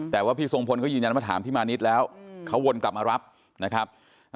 แต่ว่าพี่ทรงพลเขายืนยันว่าถามพี่มานิดแล้วเขาวนกลับมารับนะครับ